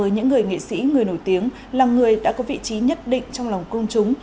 những người nghệ sĩ người nổi tiếng là người đã có vị trí nhất định trong lòng công chúng